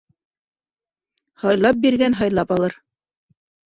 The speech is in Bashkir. Һайлап биргән, һайлап алыр.